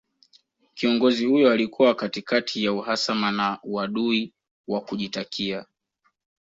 Kiongozi huyo alikuwa katikati ya uhasama na uadui wa kujitakia